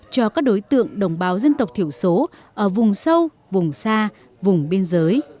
cho các đối tượng đồng bào dân tộc thiểu số ở vùng sâu vùng xa vùng biên giới